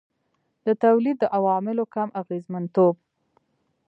د تولید د عواملو کم اغېزمنتوب.